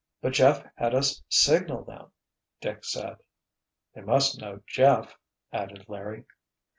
"But Jeff had us signal them," Dick said. "They must know Jeff," added Larry.